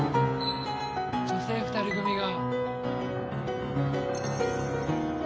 女性２人組が。